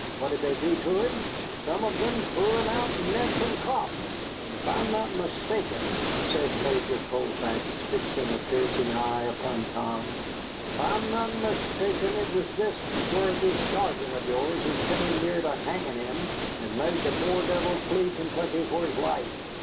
What did they do to him? Some of them threw him out neck and crop. And if I am not mistaken," said Major Colfax, fixing a piercing eye upon Tom, "if I am not mistaken, it was this worthy sergeant of yours who came near to hanging him, and made the poor devil flee Kentucky for his life."